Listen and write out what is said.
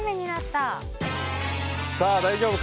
さあ、大丈夫か。